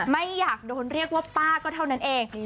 ไม่อยากโดนเรียกว่าป้าก็เท่านั้นเอง